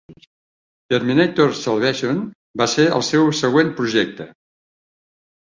"Terminator Salvation" va ser el seu següent projecte.